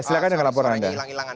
silahkan dengan laporan anda